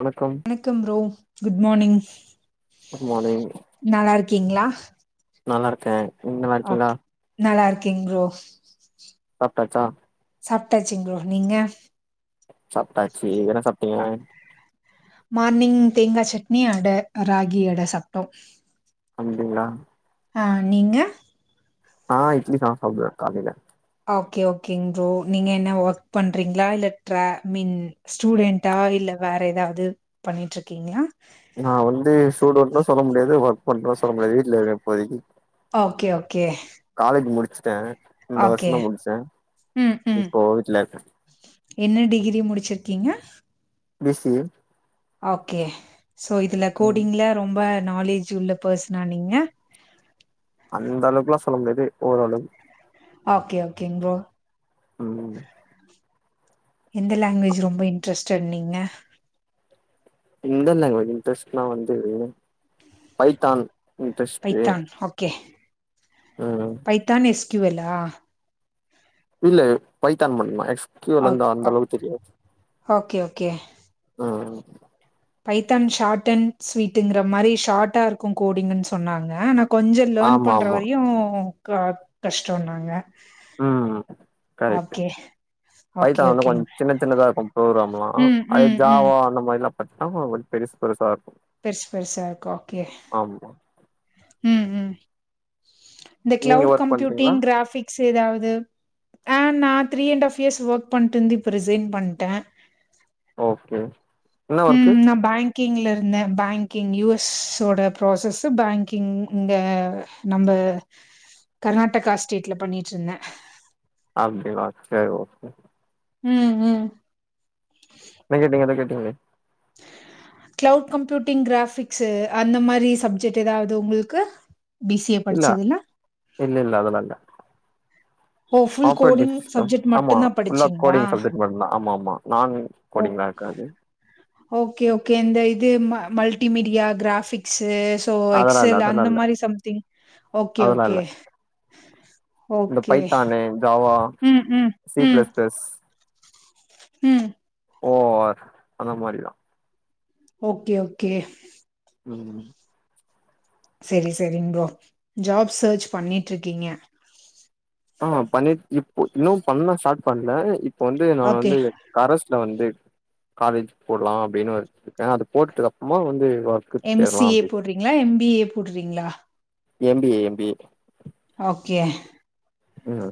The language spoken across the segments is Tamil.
வணக்கம் வணக்கம் bro good morning good morning நல்லா இருக்கீங்களா நல்லாருக்க ஓகே நல்லாருக்கீங் ப்ரோ சாப்ட்டாச்சா சாப்ட்டாச்சிங் ப்ரோ நீங்க சாப்ட்டாச்சு என்ன சாப்ட்டீங்க மார்னிங் தேங்கா சட்னி அட ராகி அட சாப்ட்டோ அப்டிங்ளா ஆ நீங்க நா இட்லிதா சாப்டுவே காலைல ஓகே ஓகேங் ப்ரோ நீங்க என்ன ஒர்க் பண்றீங்ளா இல்ல ட்ரா மின் ஸ்டூடெண்ட்டா இல்ல வேற எதாவது பண்ணிட்டுருக்கீங்ளா நா வந்து ஸ்டூடன்ட்னு சொல்ல முடியாது ஒர்க் பண்றனு சொல்ல முடியாது வீட்ல இருக்கே இப்போதைக்கி. Okay okay. காலேஜ் முடிச்ட்டே இந்த ஓகே வர்ஷந்தா முடிச்சே ம் ம் இப்போ வீட்லருக்கே. என்ன டிகிரி முடிச்சிருக்கீங்க? B C A okay so இதுல ம் கோடிங்ல ரொம்ப நாலேஜ் உள்ள பெஸ்னா நீங்க? அந்த அளவுக்குலா சொல்ல முடியாது ஓரளவு. ஓகே ஓகேங் ப்ரோ. ம். எந்த லேங்குவேஜு ரொம்ப இன்ட்ரஸ்டட் நீங்க? எந்த லேங்குவேஜ் இன்ட்ரெஸ்ட்னா வந்து பைத்தான். இன்ட்ரெஸ்ட் பைத்தான் ஓகே ம் பைத்தான் எஸ் கியூ எல் லா? இல்ல பைத்தான் மட்டுந்தா எஸ் கியூ எல் லந்து அந்த அளவுக்கு தெரியாது. ஓகே ஓகே அ அ. பைத்தான் ஷாட் அண் ஸ்வீட்டிங்கற மாரி ஷாட்டா இருக்கு கோடிங்குன் சொன்னாங்க ஆனா கொஞ்சோ லேன் ஆமா பண்ற ஆமா வரியு க கஷ்டோன்னாங்க. ம் கரெக்ட் ஓகே. ஓகே பைத்தான் வந்து கொஞ் ஓகேங்க சின்ன சின்னதா இருக்கு ப்ரோக்ராம்லா ம் அதே ம் ம் ஜாவா அந்த மாரிலா அத்தா கொஞ் பெருசு பெருசா இருக்கு. பெர்சு பெருசாருக்கு ஒகே ஆமா ம் ம். இந்த நீங்க கிளவுடு ஒர்க் பண்றீங்களா கம்ப்யூட்டிங் கிராஃபி க்ஸ் எதாவ்து ஆ நா three and half years okay பண்ட்டுந்து இப்போ ரிசைன் பண்ட்டே. ஓகே. என்ன ஒர்க்கு ம் நா பேங் கிங்ல இருந்தே பேங்கிங் யூ எஸ் ஸோட ப்ரோசஸ்ஸு பேங்கிங் இங்க நம்ப கர்நாட்டக்கா ஸ்டேட்ல பண்ணிட்ருந்தே. அப்டிங்ளா செரி ஓகே. ம் ம். என்ன கேட்டிங்க எதோ கேட்டிங்ளே? ஆஹ் கிளௌவுட் கம்ப்யூட்டிங் கிராஃபிக்ஸு அந்த மாரி சப்ஜெக்ட்டு எதாவது உங்குள்க்கு பி சி ஏ படிச்சதுல இல்லல்ல அதுலா இல்ல. ஓ full operating coding system subject ஆமா மட்டுந்தா ஃபுல்லா கோடிங் படிச்சீங்களா சப்ஜெக்ட் மட்டுந்தா ஆமாமா நான் ஓ கோடிங்தா காது. ஓகே ஓகே இந்த இது ம மல்டிமீடியா கிராஃபிக்ஸ்சுஸ் சோ அதெல்லா இல்ல எக்செல்லு அதெல்லா அந்த இல்ல மாரி சம்திங் ஓகே அதெல்லா ஓகே. இல்ல இந்த ஓகே பைத்தானு ஜாவா ம் ம் சி ம். பிளஸ் பிளஸ் ம். ஓ ஆர் அந்த மாரிதா. Okay okay. ம். செரி செரிங் ப்ரோ ஜாப் சர்ச் பண்ணிட்ருக்கீங்க? ஆமா பண்ணிட் இப்பு இன்னு பண்ண ஸாட் பண்ல இப்ப வந்து நா ஓகே வந்து கரஸ்ல வந்து காலேஜ் போட்லா அப்டின்னு வெச்சிருக்கே அது போட்டுடுதுக்கு அப்மா வந்து வ எம் சி ஏ போட்றிங்ளா எம் பி ஏ போட்றிங்ளா? M B A M B A okay ம்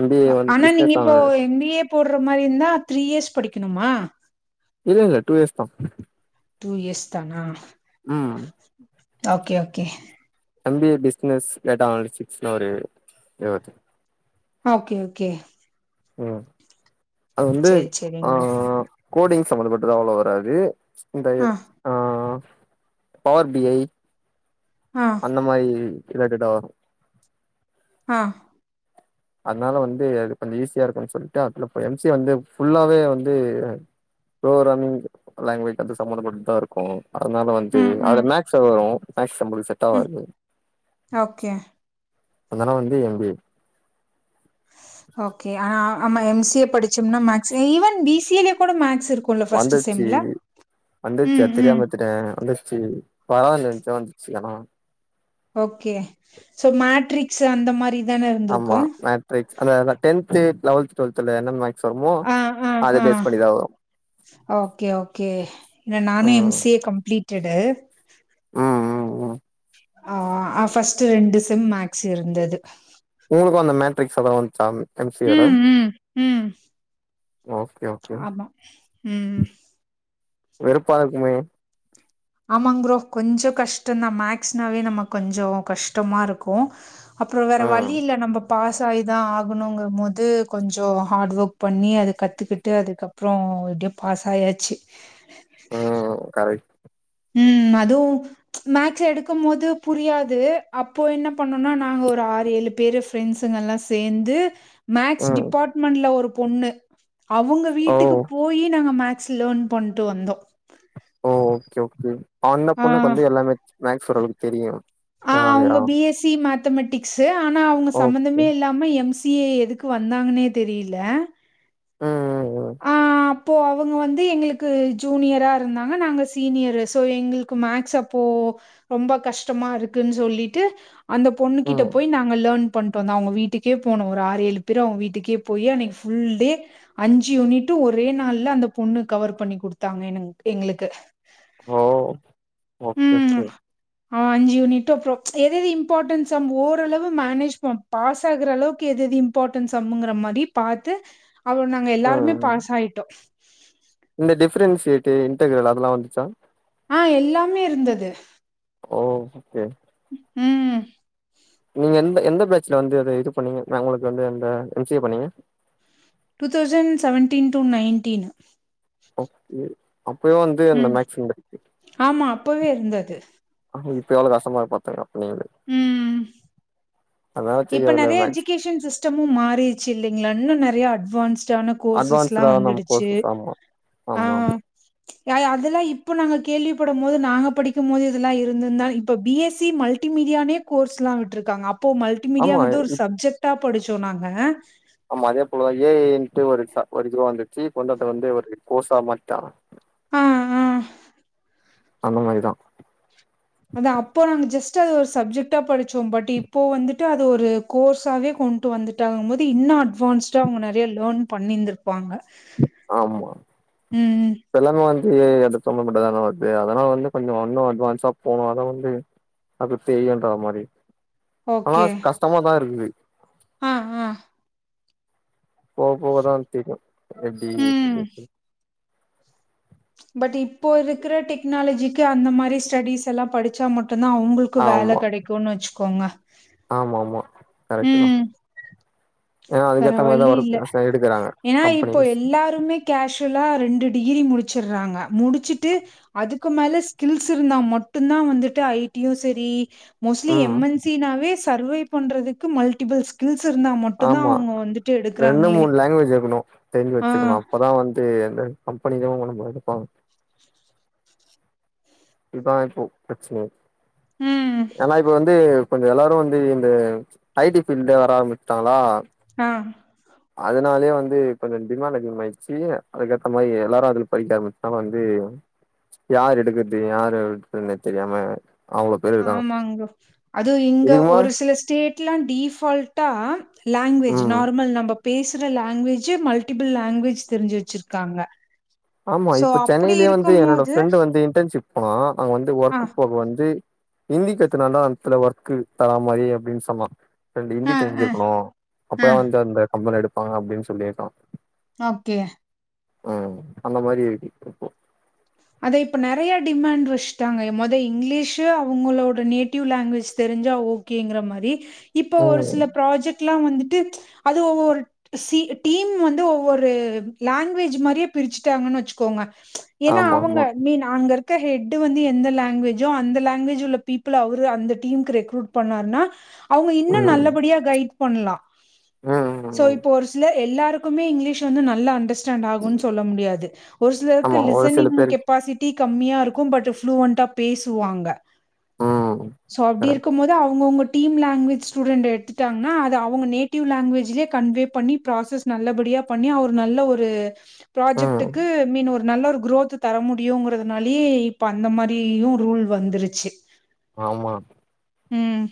எம் பி ஏ அ வந்து ஆனா நீங்க பிசினஸ் இப்போ எம் பி ஏ போட்ற மாரி இந்தா த்ரீ இயஸ் படிக்கணுமா? இல்லல்ல டூ இயஸ் தா. டூ இயஸ் தானா ம் okay okay M B A business data அனலிஃபிக்ஸ்னு ஒரு இது ஓகே ஓகே ம் அது வந்து சேரி ஆ சேரிங் ப்ரோ கோடிங் சம்பந்தப்பட்டுதலா அவ்ளோவா வராது இந்தயே ஆ பவர் பி ஐ ஆ அந்ந மாரி இல்லா டேட்டா வரு ஹா அத்னால வந்து அது கொஞ்சோ ஈஸியா இருக்குன் சொல்ட்டு அதுல போயி எம் சி ஏ வந்து ஃபுல்லாவே வந்து எ ப்ரோராமிங் லாங்குவேஜ் அது சம்மந்தப்பட்டுதா இருக்கோ அதனால வந்து ம் ம் அத மேக்ஸ்ச வரு மேக்ஸ் சம்பள்க் செட் ம் ஆவாது ஓகே அந்தனா வந்து எம் பி ஏ ஓகே ஆனா ஆமா எம் சி ஏ படிச்சோம்னா maths even B C A லயே கூட மேக்ஸ் இருக்கோ குல்ல ஃபஸ்ட்டு வந்துச்சு சிம்ல உம் உம் திட்டே வந்துச்சி பவால நென்ச்ச வந்துச்சி அணா ஓகே சோ மேட்ரிக்ஸு அந்த மாரி தான ஆமா இருந்திருக்கு மேட்ரிக்ஸ் அத அதா டென்த்து லவல்த் டுவல்த்ல என்ன மேட் சம்மோ ஆ ஆ அத ஆ பேஸ் பண்ணிதா வரு ஓகே ஓகே இன்ன நானு எம் ம் சி ஏ கம்ப்ளீட்டடு ம் ம் ம் ஆஆ அ ஃபஸ்ட்டு ரெண்டு செம் மேக்ஸ் இருந்தது உங்குளுக்கு அந்த மேட்ரிக்ஸ் அத வன்ச்சாம் எம் சி யேல ம் ம் ம் ஓகே ஓ ஆமா ம்ம் வெறுப்பா இருக்குமே ஆமாங் ஃபரோ கொஞ்சோ கஷ்டன்தா மேக்ஸ்னாவே நம கொஞ்சோ கஷ்டமாருக்கு அப்றோ வேற ம் வழி இல்ல நம்பப் பாஸ் ஆகி தா ஆகணுங்க போது கொஞ்சோ ஹாட் வக் பண்ணி அது கத்துக்குட்டு அதுக்கப்பா ப்றோ எப்டியோ பாஸ் ஆயாச்சு அவ் கரெக்ட் ம் அதுவு மேக்ஸ் எடுக்கும்மோது புரியாது அப்போ என்ன பண்ணோனா நாங்க ஒரு ஆறு ஏழு பேருஃப் ஃப்ரண்ட்ஸுங்கல்லா சேந்து மேக்ஸ் ம் டிபாட்மென்ல ஒரு பொண்ணு அவுங்க ஓ வீட்டுக்குப்பு போயி நாங்க மேக்ஸ் லன் பண்ட்டு வந்தோ ஓ ஓகே ஓகே அண்ண ஆ பொண்ணுக்கு வந்து எல்லாமே மேக்ஸ் ஓரளவுக்கு தெரியு ஆலையா எ சி மேட் த்தமெட்டிக்ஸ்சு ஆனா அவுங்க ஓகே சம்மந்தமே இல்லாம எம் சி ஏ எதுக்கு வந்தாங்கனே தெரில ம் ம் அப்போ அவுங்க வந்து எங்களுக்கு ஜூனியரா இருந்தாங்க நாங்க சீனியரு சோ எங்கள்க்கு மேக்ஸ் அப்போ ரொம்ப கஷ்டமா இருக்குன் சொல்லிட்டு அந்த பொண்ணு ம் கிட்ட ம். போய் நாங்க லன் பண்ட்டு வந்தோ அவுங்க வீட்டுக்கே போனோ ஒரு ஆறு ஏழு பேர் அவுங்க வீட்டுக்கே போயி அன்னைக்கு ஃபுல் டே அஞ்ச் ஜி யூனிட்டு ஒரே நாள்ல அந்த பொண்ணு கவர் பண்ணி குடுத்தாங்க எனங்க் எங்குளுக்கு ஓ ஓகே ம் கே ஆ அஞ்சி யூனிட் அப்றோ எத எது இம்பார்ட்டன் ஸம் ஓரளவு மேனேஜ் போம் பாஸ் ஆகுற அளவுக்கு எதெதிம் பார்ட்டன்ஸ் சம்முங்குர மாதி பாத்து அவ நாங்க ம் எல்லாருமே ம் பாஸ் ஆயிட்டோ இந்த டிஃப்ரன்சியேட்டு இன்டெக்ரல் அதெல்லா வந்துச்சா ஆ எல்லாமே இருந்தது ஓ ஓகே ம் நீங்க எந்த எந்த பேட்ச்ல வந்து அத இது பண்ணீங்க நா ஒங்ளுக்கு வந்து அந்த எம் சி ஏ பண்ணீங்க two thousand seventeen two nineteen okay அப்பயு வந்து அந்த ம் மேக்ஸ் சென்ட்டர் ஆமா அப்பவே இருந்தது ஆ இப்ப எவ்ளோ கஷ்டமாருக்கு பாத்துக்க அப்ப நீ ம் அதனால சரி இப்ப அதுல நறயா மேக்ஸ் எஜுகேஷன் சிஸ்டமு மாறிர்ச்சு இல்லைங்ளா இன்னு நறயா அட்வான்ஸ்ட்டான கோர்ஸஸ்லா அட்வான்ஸ்டா நம்ம வந்துடுச்சு கோர்சஸ் ஆமா ஆ ஆமா யா யா அதுல்லா இப்ப நாங்க கேள்விப்படம்போது நாங்க படிக்கும்போது இதெல்லா இருந்துருந்தா இப்ப பி எஸ் சி மல் ட்டி மீடியானே கோர்ஸ்லா விட்ருக்காங்க அப்போ ஆமா மல்டிமீடியாங்றது ஆமா ஒரு சப்ஜெக்ட்டா படிச்சோ நாங்க ஆமா அதே போலதா ஏ ஐ ன்ட்டு ஒரு ச ஒரு இதுவா வந்துருச்சு கொண்டுட்டு வந்து ஒரு கோர்ஸா மாட்டிடாங்க ஆ ஆ அந்த மாரிதா அத அப்போ நாங்க ஜஸ்ட் அது ஒரு சப்ஜெக்ட்டா படிச்சோ பட் இப்போ வந்துட்டு அது ஒரு கோர்ஸாவே கொண்ட்டு வந்துட்டாங்கம்போது இன்னு அட்வான்ஸ்டா அவுங்க நறயா லேர்ன் பண்ணிர்ந்து ப்பாங்க ஆமா ம் எல்லாமே வந்து அது சம்மந்தப்பட்டதான வர்து அதனாலா வந்து கொஞ்சொ இன்னு அட்வான்ஸா போனா தா வந்து அது தெரியுன்ற மாரி ஆனா கஷ்டமாதா இருக்குது ஹா ஹா போவ்போவதா தெரியு எப்டி ம் சொல்லிட்டு பட் இப்போ இருக்குற டெக்னாலஜிக்கு அந்த மாரி ஸ்டேடிஸ் எல்லா படிச்சா மட்டு தா அவுங்ளு க்கு வேல கெடைக்குன் வச்கோங்க ஆமாமா கரெக்ட்டு தா ஏன்னா வேற அதுக்கேத்த மாரிதா வழி இல்ல ஒர்க் எடுக்குறாங்க ஏனா இப்போ கம்பெனில எல்லாருமே கேஷுவ்லா ரெண்டு டிகிரி முடிச்சிருறாங்க முடுச்சுட்டு அதுக்கு மேல ஸ்கில்ஸ் இருந்தா மட்டுந்தா வந்துட்டு ஐ டி யு சேரி மோஸ்ட்லி எம் ம் என் சி னாவே சர்வை பண்றதுக்கு மல்டிபுள் ஸ்கில்ஸ் இருந்தா ம ஆமா ரெண்டு மூணு லாங்குவேஜ் இருக்ணு தெரிஞ்சு ஆ. வச்சுக்ணு அப்பதா வந்து அந்த கம்பெனிக்கு அவுங்க நம்ள எடுப்பாங்க இதா இப்போ பிரச்சன ம். ஏனா இப்ப‌வந்து கொஞ்சொ எல்லாரு வந்து இந்த ஐடி ஃபீல்ட்ல வர ஆரம்பிச்ட்டாங்ளா ஆ அதனாலே வந்து கொஞ்சொ டிமாண்ட் அதிகமாயிர்ச்சு அதுக்கேத்த மாரி எல்லாரு அதுல போய்ட்டாங் மித்தோங்க வந்து யார் எடுக்கது யார விட்றதுன்னே தெரியாம அவ்ளோ பேர் இருக்காங்க ஆமாங் ப்ரோ அதுவு இங்க இதுக்கு முன்னா ஒரு சில ஸ்டேட்லா டிஃபால் டா லாங்வேஜ் ம் நார்மல் நம்ப பேசுற லாங்வேஜு மல்டிபிள் லாங்வேஜ் தெரிஞ்சு வச்சிருக்காங்க ஆமா சோ இப்ப அப்படி சென்னைலே வந்து என்னோட இருக்கும்போது ஃப்ரெண்டு வந்து இன்டர்ன்ஷிப் போனா அங்க வந்து ஆ. ஒர்க்கு போக வந்து இந்தி கத்துனா தா அந்த்துல ஒர்க்கு தர மாரி அப்டின் சொன்னா ரெண்டு ஆ, இந்தி ஆ, தெரிஞ்சிருக்கணு ஆ. அப்பதா வந்து அந்த கம்பனில எடுப்பாங்க அப்டின் சொல்லிருக்கா ஓகே ம் அந்த மாரி இப்போ அதை இப்ப நறைய டிமாண்ட் வச்ட்டாங்க மொத இங்கிலீஷு அவுங்களோட நேட்டிவ் லாங்வேஜ் தெரிஞ்சா ஓகேங்ற மாரி இப்போ ஒரு ம் சில ப்ராஜெக்ட்லா வந்துட்டு அது ஒவ்வொரு சி டீம் வந்து ஒவ்வொரு லாங்வேஜ் மாரியே பிரிச்சுட்டாங்கன் வச்சுக்கோங்க ஏனா ஆமா ஆமா ஐ மீன் அங்கருக்க ஹெட்டு வந்து எந்த லாங்வேஜோ அந்த லாங்வேஜ் உள்ள பீப்பிள் அவுரு அந்த டீம்க்கு ரெக்ரூட் பண்ணாருன்னா அவுங்க இன்னு ம் நல்லபடியா கைட் பண்ணலா ம் சோ ம் இப்போ ஒரு எல்லாருக்குமே இங்க்லீஷ் வந்து நல்லா அண்டஸ்டாண்ட் ஆகுனு சொல்ல முடியாது ஒரு சிலருக்கு ஆமா ஒரு சில லிசனிங் பேருக்கு கப்பாசிட்டி கம்மியா இருக்கு பட் ஃபுளுவண்டா பேசுவாங்க ம் சோ அபடி கரெக்ட் இருக்குமோது அவுங்கவுங்க டீம் லாங்க்வஜ் ஸ்டூடெண்ட் எட்த்துட்டாங்கன்னா அது அவுங்க நேட்டிவ் லாங்க்வேஜிலே கன்வே பண்ணி ப்ராசஸ் நல்லபடியா பண்ணி அவுரு நல்ல ஒரு ம் ப்ராஜெக்டுக்கு மீன் ஒரு நல்ல ஒரு குரோத்து தர முடியுங்கிறதுனாலயே இப்ப அந்த மாரியு ரூல் வந்துரிச்சு ஆமா ம்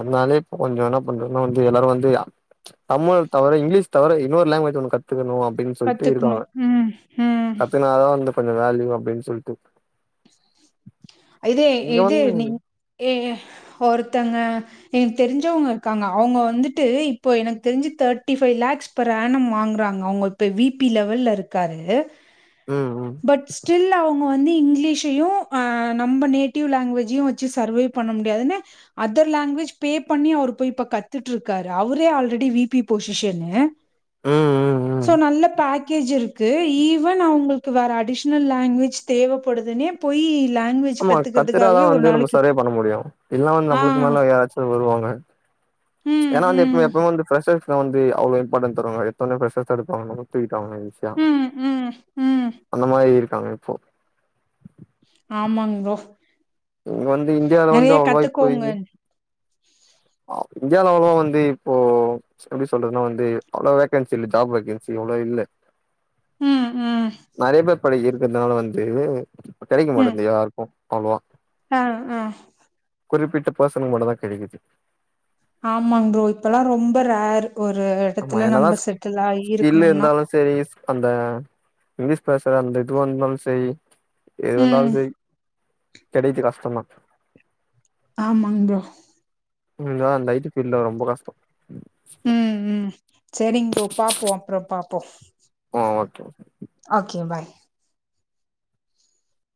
அத்னால்யே இப்ப கொஞ்சோ இன்னா பண்றத்ன்னா வந்து எல்லாரு வந்து அ தமிழ தவிர இங்க்லீஷ் தவிர இன்னொரு லாங்குவேஜு ஒன்னு கத்துக்கணு அப் டின் சொல்ட்டு இருக்காங்க கத்துக்கணும். ம், ம். கத்துக்னாதா வந்து கொஞ்ச வேல்யூ அப்டின் சொல்ட்டு இது இங்க இது வந்து நீங் எ எ ஒருத்தங்க எனுக் தெரிஞ்சவங்க இருக்காங்க அவுங்க வந்துட்டு இப்போ எனக் தெரிஞ்சு தேட்டி ஃபை லேக்ஸ் பெர்ரானம் வாங்குறாங்க அவுங்க இப்ப விபி லெவல்ல இருக்காரு ம் ம் பட் ஸ்டில் அவுங்க வந்து இங்க்லீஷையு அ நம்ப நேட்டிவ் லாங்க்வேஜ்யு வெச்சு சர்வே பண்ண முடியாதுன்னு அதர் லாங்குவேஜ் பே பண்ணி அவுரு போய் இப்ப கத்துட்ருக்காரு அவரே ஆல்ரெடி விபி பொசிஷென்னு ம் ம் ம் சோ நல்ல பேக்கேஜ் இருக்கு ஈவன் அவுங்கள்க்கு வேற அடிஷ்னல் லாங்குவேஜ் தேவப்படுதுனே போயி லாங்வே ஆமா கத்துட்டாதா வந்து நம்ம சர்வே பண்ண முடியு இல்லன வந்து ஆ நம்புளுக்கு மேல யாராச்சு ஒரு வருவாங்க ம் ஏன்னா வந்து எப்புமே ம் எப்பவு வந்து ஃப்ரெஷர்ஸ் வந்து அவ்ளோ இம்பாட்டன் தருவாங்க எத்தொன்னே ஃப்ரெஷ்ஷஸ் தா எடுப்பாங்க [unintelligible] [unintelligible] ஈஸியா ம் ம் ம் அந்த மாரி இருக்காங்க இப்போ ஆமாங் ப்ரோ இங்க வந்து இந்தியாவில வந்து நெறைய அவ்ள்வா கத்துக்கோங்க இப்போதிக்கு இந்தியானாலலா வந்து இப்போ எபடி சொல்றதுனா வந்து அவ்ளோ வேக்கென்சி இல்ல ஜப் வேக்கென்சி அவ்ளோ இல்ல ம் ம் நிறைய பேர் படிக்கிறதுனால வந்து கெடைக்க ம் மாட்டின்து யாருக்கு ஆமா ஆ ஆ குறிப்பிட்ட பேசனக்கு மட்டு தா கெடைக்கிது ஆமாங் ப்ரோ இப்பெல்லா ரொம்ப ரேரு ஒரு ஆமா எடத்துல என்னதா நம்ம செட்டிலாயி ஸ்கில் இருக்கணுனா இருந்தாலு சரி அந்த இங்க்லீஷ் பேசுர அந்த இதுவா இந்தாலு செரி எது வந்தாலு ம் செரி கெடையித்து கஷ்டொந்தா ஆமாங் ப்ரோ ம் இந்த அந்த ஐடி ஃபீல்ட்ல ரொம்ப கஷ்டோ ம் ம் செரிங் ப்ரோ பாப்போ அப்றோ பாப்போ ஆ ஓகே ஓகே பாய்